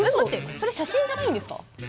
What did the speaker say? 写真じゃないんですか？